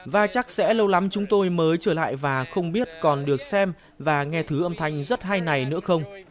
và chắc sẽ lâu lắm chúng tôi mới trở lại và không biết còn được xem và nghe thứ âm thanh rất hay này nữa không